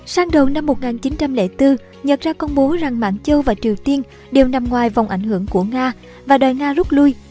sang đầu năm một nghìn chín trăm linh bốn nhật ra công bố rằng mạng châu và triều tiên đều nằm ngoài vòng ảnh hưởng của nga và đòi nga rút lui